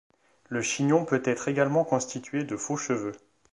Le chignon peut être également constitué de faux cheveux.